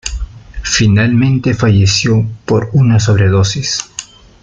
Finalmente falleció por una sobredosis.